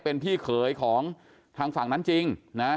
เป็นพี่เขยของทางฝั่งนั้นจริงนะ